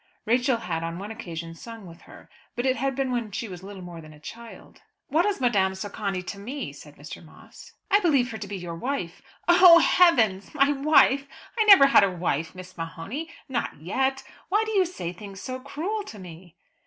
Rachel had on one occasion sung with her, but it had been when she was little more than a child. "What is Madame Socani to me?" said Mr. Moss. "I believe her to be your wife." "Oh, heavens! My wife! I never had a wife, Miss O'Mahony; not yet! Why do you say things so cruel to me?"